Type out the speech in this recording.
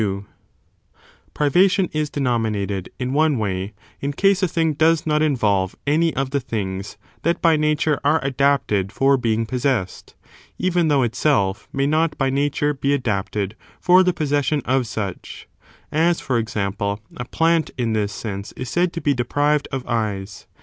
Different PRIVATION ' is denominated, in one way, in modes of pri case a thing does not involve any of the things Jfc, ta'regwd that by nature are adapted for being possessed, of Se*?uSect ®^®^ though itsclf may not by nature be adapted for the possession of such; as, for example, a plant in this sense is said to be deprived of eyes.